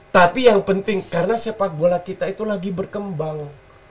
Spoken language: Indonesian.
tapi yang penting karena sepak bola kita itu lagi berkembang